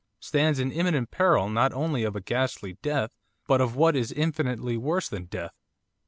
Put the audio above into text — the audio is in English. stands in imminent peril not only of a ghastly death, but of what is infinitely worse than death.